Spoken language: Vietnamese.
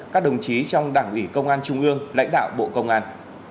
các đồng chí trong đảng ủy công an trung ương lãnh đạo bộ công an